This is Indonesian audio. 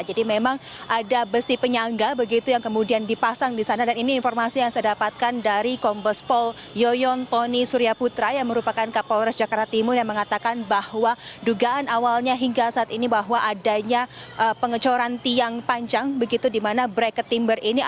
jadi memang ada besi penyangga begitu yang kemudian dipasang di sana dan ini informasi yang saya dapatkan dari kombespol yoyong tony suryaputra yang merupakan kapolres jakarta timur yang mengatakan bahwa dugaan awalnya hingga saat ini bahwa adanya pengecoran tiang panjang begitu dimana bracket timber ini atau